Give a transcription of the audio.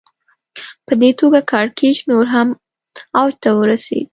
په دې توګه کړکېچ نور هم اوج ته ورسېد